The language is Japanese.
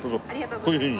こういうふうに？